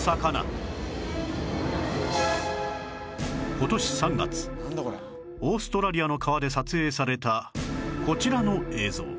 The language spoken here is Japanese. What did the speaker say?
今年３月オーストラリアの川で撮影されたこちらの映像